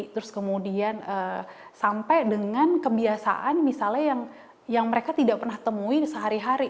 terus kemudian sampai dengan kebiasaan misalnya yang mereka tidak pernah temui sehari hari